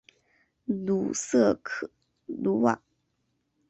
鲁瑟卢瓦。